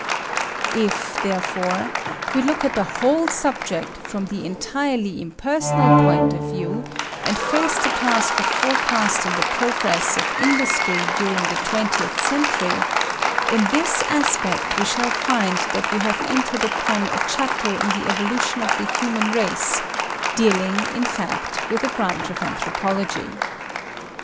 If, therefore, we look at the whole subject from the entirely impersonal point of view, and face the task of forecasting the progress of industry during the twentieth century, in this aspect we shall find that we have entered upon a chapter in the evolution of the human race dealing, in fact, with a branch of anthropology.